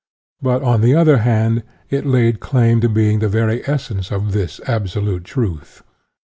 But, on the other hand, it laid claim to being the very essence of this absolute, truth.